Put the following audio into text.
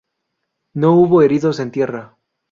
No hubo heridos en tierra.